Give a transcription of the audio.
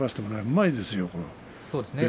うまいですよ。